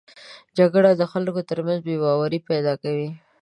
جګړه د خلکو تر منځ بې باوري پیدا کوي